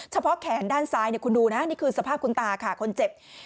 เฉพาะแขนด้านซ้ายเนี่ยคุณดูนะคือสภาพคุณตาค่ะคนเจ็บ